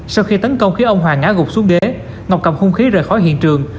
sau khi tấn công khiến ông hòa ngã gục xuống ghế ngọc cầm hung khí rời khỏi hiện trường